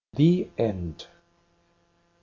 THE END i